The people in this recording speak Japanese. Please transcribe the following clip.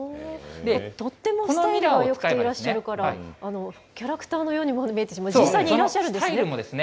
とってもスタイルがよくていらっしゃるから、キャラクターのようにも見えてしまって、実際にいらっしゃるんですよね？